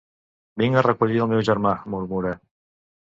Vinc a recollir el meu germà —murmura.